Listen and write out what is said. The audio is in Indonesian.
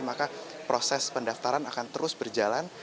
maka proses pendaftaran akan terus berjalan